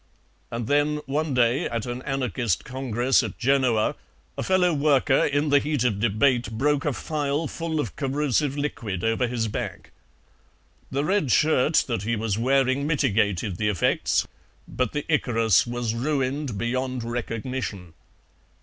And then one day, at an anarchist congress at Genoa, a fellow worker, in the heat of debate, broke a phial full of corrosive liquid over his back. The red shirt that he was wearing mitigated the effects, but the Icarus was ruined beyond recognition.